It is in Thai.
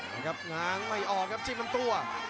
นะครับง้างไม่ออกครับจิ้มลำตัว